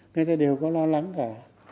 người ta đều có lo lắng về